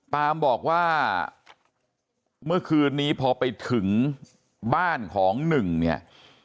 ปามบอกว่าเมื่อคืนนี้พอไปถึงบ้านของหนึ่งเนี่ย